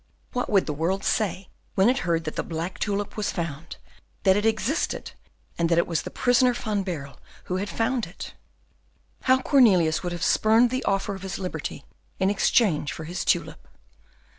What would the world say when it heard that the black tulip was found, that it existed and that it was the prisoner Van Baerle who had found it? How Cornelius would have spurned the offer of his liberty in exchange for his tulip!